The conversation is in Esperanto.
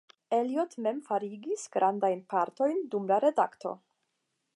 Eliot mem forigis grandajn partojn dum la redakto.